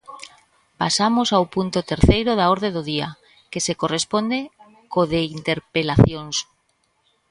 Pasamos ao punto terceiro da orde do día, que se corresponde co de interpelacións.